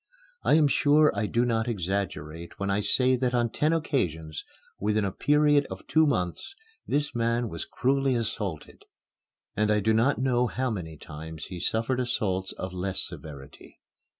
I am sure I do not exaggerate when I say that on ten occasions, within a period of two months, this man was cruelly assaulted, and I do not know how many times he suffered assaults of less severity.